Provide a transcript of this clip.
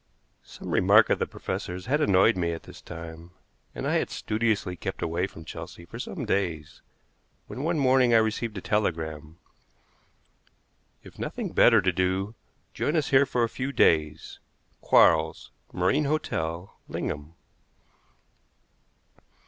Some remark of the professor's had annoyed me at this time, and I had studiously kept away from Chelsea for some days, when one morning I received a telegram: "If nothing better to do, join us here for a few days. Quarles, Marine Hotel, Lingham."